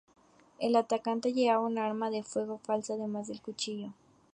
El atacante llevaba un arma de fuego falsa además del cuchillo.